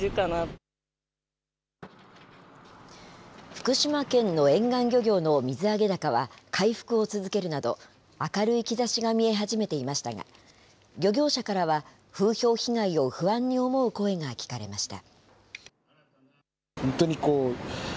福島県の沿岸漁業の水揚げ高は回復を続けるなど、明るい兆しが見え始めていましたが、漁業者からは、風評被害を不安に思う声が聞かれました。